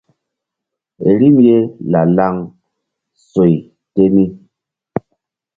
Rim ye la-laŋ soy te ni.